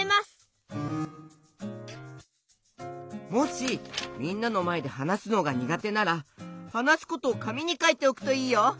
もしみんなのまえではなすのがにがてならはなすことをかみにかいておくといいよ！